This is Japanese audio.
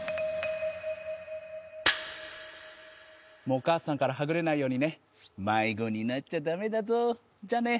もうお母さんからはぐれないようにね迷子になっちゃダメだぞじゃあね